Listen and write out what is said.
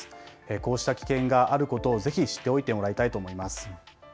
こうした危険があることをぜひ知っておいてもらいたいと思います。